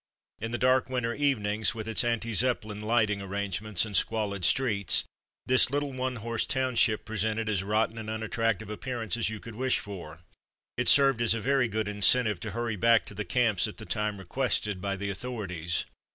In the dark winter evenings, with its anti Zeppelin lighting arrangements and squalid streets, this little one horse township presented as rotten and unattractive ap pearance as you could wish for. It served as a very good incentive to hurry back to the camps at the time requested by the author ities.